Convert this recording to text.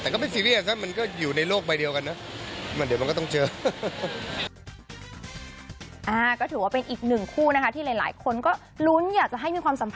แต่ก็ไม่ซีเรียสซะมันก็อยู่ในโลกใบเดียวกันนะ